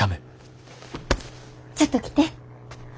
ちょっと来て。